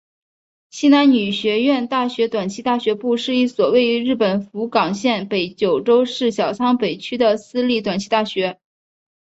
西南女学院大学短期大学部是一所位于日本福冈县北九州市小仓北区的私立短期大学。